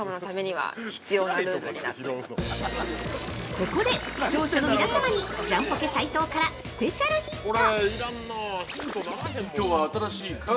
◆ここで、視聴者の皆様にジャンポケ斉藤からスペシャルヒント！